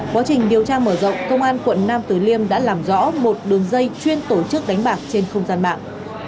quá trình điều tra mở rộng công an quận nam tử liêm đã làm rõ một đường dây chuyên tổ chức đánh bạc trên không gian mạng